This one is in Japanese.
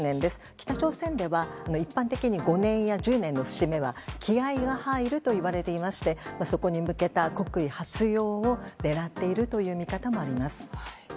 北朝鮮では一般的に５年や１０年の節目は気合が入るといわれていましてそこに向けて国威発揚を狙っているという見方もあります。